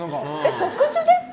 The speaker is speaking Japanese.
特殊ですか？